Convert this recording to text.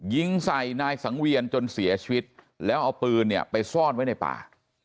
ยิงใส่นายสังเวียนจนเสียชีวิตแล้วเอาปืนเนี่ยไปซ่อนไว้ในป่า